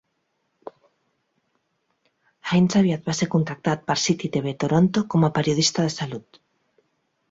Haines aviat va ser contractat per Citytv Toronto com a periodista de salut.